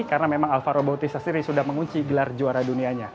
karena memang alvaro bautista sendiri sudah mengunci gelar juara dunianya